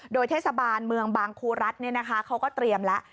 โดยเทศบาลเมืองบางครุรัฐเนี่ยนะคะเขาก็เตรียมแล้ว